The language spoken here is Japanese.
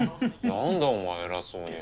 なんだお前偉そうに。